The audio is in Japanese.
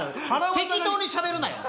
適当にしゃべるなよ。